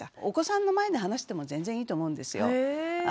お子さんの前で話しても全然いいと思うんですよ。